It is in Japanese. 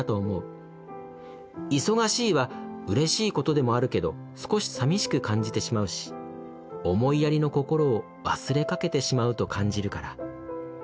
『忙しい』はうれしいことでもあるけど少し寂しく感じてしまうし思いやりの心を忘れかけてしまうと感じるから」。